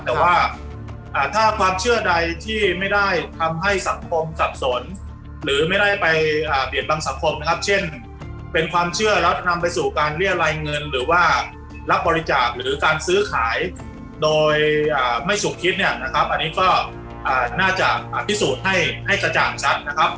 แต่ว่าถ้าความเชื่อใดที่ไม่ได้ทำให้สังคมสับสนหรือไม่ได้ไปเบียดบังสังคมนะครับเช่นเป็นความเชื่อแล้วนำไปสู่การเรียรายเงินหรือว่ารับบริจาคหรือการซื้อขายโดยไม่สุขคิดเนี่ยนะครับอันนี้ก็น่าจะพิสูจน์ให้กระจ่างชัดนะครับ